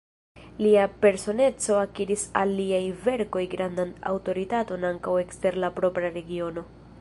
Lia personeco akiris al liaj verkoj grandan aŭtoritaton ankaŭ ekster la propra regiono.